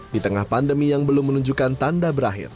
di tengah pandemi yang belum menunjukkan tanda berakhir